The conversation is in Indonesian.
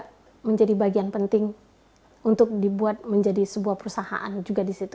pada saat itu pt semen juga menjadi bagian penting untuk dibuat menjadi sebuah perusahaan yang berhasil